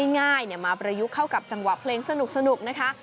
ง่ายมาประยุกต์เข้ากับจังหวะเพลงสนุกนะคะ